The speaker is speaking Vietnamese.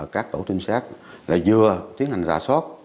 các tổ tin sát là vừa tiến hành ra sót